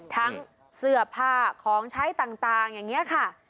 ทั้งเสื้อผ้าของใช้ต่างอย่างนี้ค่ะ